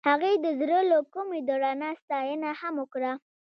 هغې د زړه له کومې د رڼا ستاینه هم وکړه.